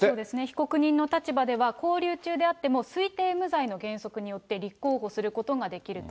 被告人の立場では、勾留中であっても、推定無罪の原則によって、立候補することができると。